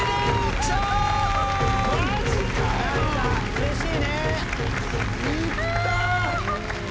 うれしい！